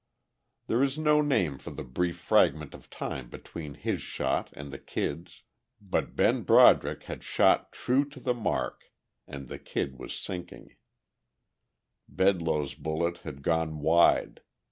There is no name for the brief fragment of time between his shot and the Kid's. But Ben Broderick had shot true to the mark, and the Kid was sinking; Bedloe's bullet had gone wide....